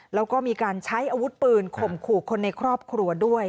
แล้วก็มีการใช้อาวุธปืนข่มขู่คนในครอบครัวด้วย